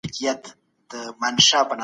لويه جرګه د سولي لپاره لاري لټوي.